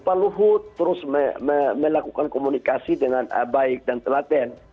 pak luhut terus melakukan komunikasi dengan baik dan telaten